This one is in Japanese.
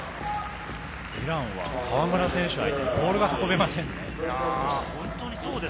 イランは河村選手相手にボールが運べませんね。